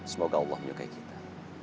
semoga allah menyukai kita